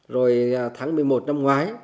rồi tháng một mươi một năm ngoái